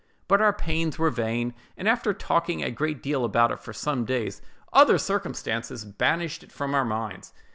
But our pains were vain; and after talking a great deal about it for some days, other circumstances banished it from our minds.